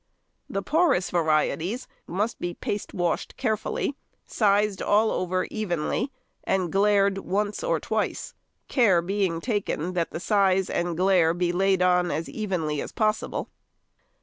The porous varieties must be paste washed carefully, sized all over very evenly, and glaired once or twice; care being taken that the size and glaire be laid on as evenly as possible.